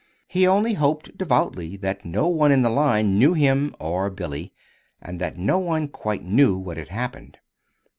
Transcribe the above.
He only hoped devoutly that no one in the line knew him ar Billy, and that no one quite knew what had happened.